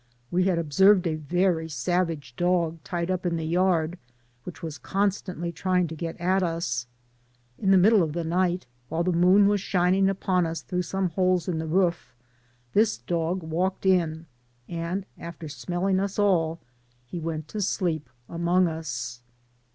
We had observed a very savage dog tied up in the yard, which was constantly trying to get at us. In the middle of the night, while the moon was shining upon us through some holes in the roof, this dog walked in, and after smelling us all, he went to sleep among us.